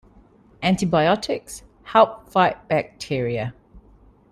Antibiotics help fight bacteria.